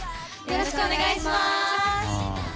よろしくお願いします。